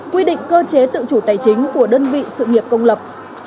quy định cơ chế tự chủ tài chính của đơn vị sự nghiệp công lập